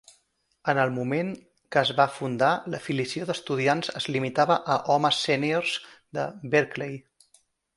En el moment que es va fundar, l'afiliació d'estudiants es limitava a homes sèniors de Berkeley.